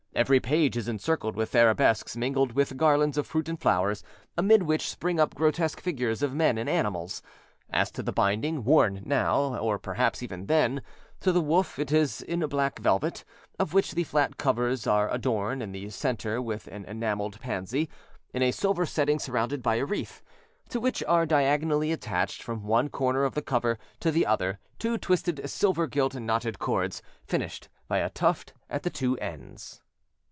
Every page is encircled with arabesques mingled with garlands of fruit and flowers, amid which spring up grotesque figures of men and animals. As to the binding, worn now, or perhaps even then, to the woof, it is in black velvet, of which the flat covers are adorned in the centre with an enamelled pansy, in a silver setting surrounded by a wreath, to which are diagonally attached from one corner of the cover to the other, two twisted silver gilt knotted cords, finished by a tuft at the two ends.